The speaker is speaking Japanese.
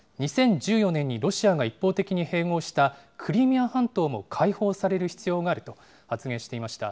２０１４年にロシアが一方的に併合したクリミア半島も解放される必要があると発言していました。